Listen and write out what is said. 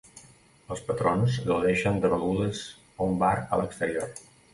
Els patrons gaudeixen de begudes a un bar a l'exterior.